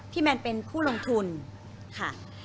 แมนเป็นผู้ลงทุนค่ะ